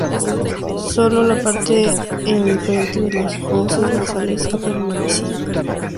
Sólo la parte en frente de las fosas nasales ha permanecido.